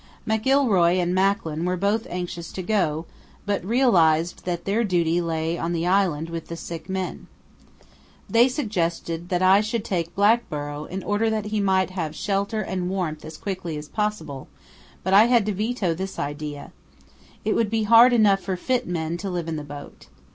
McIlroy and Macklin were both anxious to go but realized that their duty lay on the island with the sick men. They suggested that I should take Blackborrow in order that he might have shelter and warmth as quickly as possible, but I had to veto this idea. It would be hard enough for fit men to live in the boat.